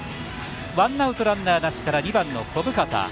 ワンアウト、ランナーなしから２番の小深田。